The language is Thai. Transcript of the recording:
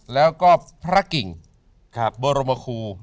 แล้วก็พระกิ่งบรมคู